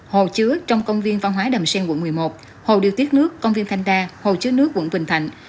hồ chứa trong công viên văn hóa đầm xen quận một mươi một hồ điều tiết nước công viên thanh đa hồ chứa nước quận bình thạnh